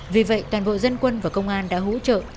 vì vậy toàn bộ dân quân và công an đã hỗ trợ